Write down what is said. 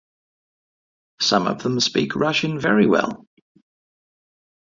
Some of them speak Russian very well.